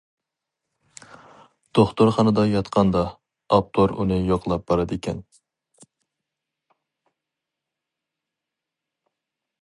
دوختۇرخانىدا ياتقاندا، ئاپتور ئۇنى يوقلاپ بارىدىكەن.